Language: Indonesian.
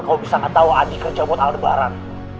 kamu bisa nggak tahu adi kerja buat aldebaran